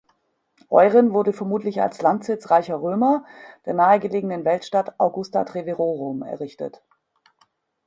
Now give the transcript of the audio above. Euren wurde vermutlich als Landsitz reicher Römer der nahegelegenen Weltstadt Augusta Treverorum errichtet.